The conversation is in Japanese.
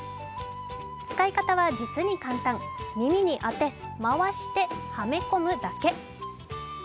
使い方は実に簡単耳に当て、回して、はめ込むだけ。